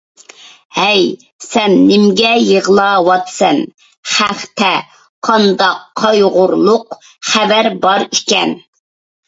ھەي، سەن نېمىگە يىغلاۋاتىسەن؟ خەتتە قانداق قايغۇلۇق خەۋەر بار ئىكەن؟